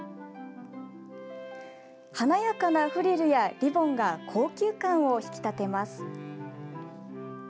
華やかなフリルやリボンが高級感を引き立てます。